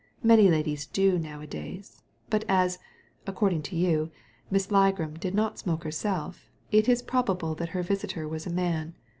Many ladies do nowadays. But as — according to you — Miss Ligram did not smoke herselfi it is probable that her visitor was a man.